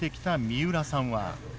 三浦さん